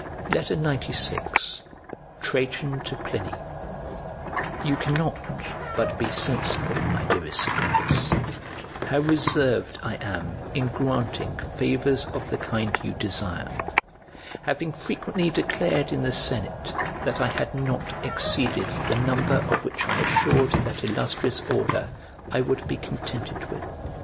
XCVI TRAJAN TO PLINY You cannot but be sensible, my dearest Secundus, how reserved I am in granting favours of the kind you desire; having frequently declared in the senate that I had not exceeded the number of which I assured that illustrious order I would be contented with.